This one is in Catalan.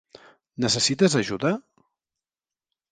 Necessites ajuda?